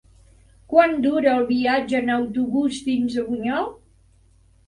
Quant dura el viatge en autobús fins a Bunyol?